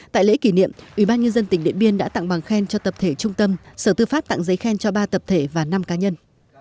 tại lễ kỷ niệm ubnd tỉnh điện biên đã tặng bằng khen cho tập thể trung tâm sở tư pháp tặng giấy khen cho ba tập thể và năm cá nhân